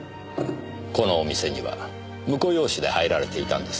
このお店には婿養子で入られていたんですね。